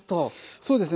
そうですね。